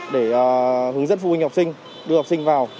để hướng dẫn phụ huynh học sinh đưa học sinh vào